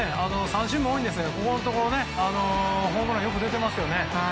三振も多いんですけどここのところ、ホームランがよく出てますよね。